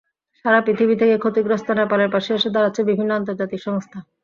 সারা পৃথিবী থেকেই ক্ষতিগ্রস্ত নেপালের পাশে এসে দাঁড়াচ্ছে বিভিন্ন আন্তর্জাতিক সংস্থা।